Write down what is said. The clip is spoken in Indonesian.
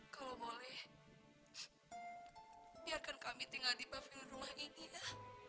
kalau boleh biarkan kami tinggal di pavilir rumah ini ya